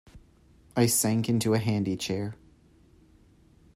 I sank into a handy chair.